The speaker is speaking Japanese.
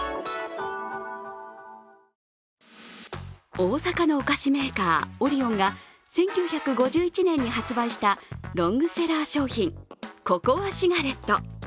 大阪のお菓子メーカー、オリオンが１９５１年に発売したロングセラー商品、ココアシガレット。